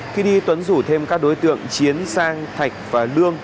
khi đi tuấn rủ thêm các đối tượng chiến sang thạch và lương